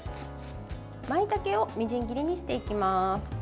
まいたけをみじん切りにしていきます。